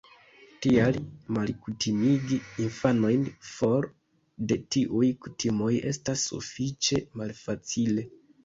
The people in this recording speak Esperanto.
Tial, malkutimigi infanojn for de tiuj kutimoj estas sufiĉe malfacile.